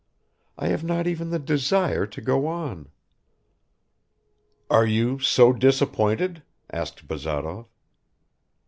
. I have not even the desire to go on." "Are you so disappointed?" asked Bazarov.